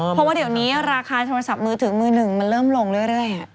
เพราะว่าเดี๋ยวนี้ราคาโทรศัพท์มือถือมือหนึ่งมันเริ่มลงเรื่อย